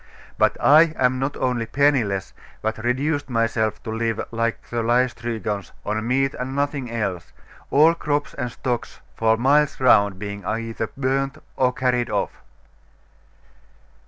But I am not only penniless, but reduced myself to live, like the Laestrygons, on meat and nothing else; all crops and stocks for miles round being either burnt or carried off.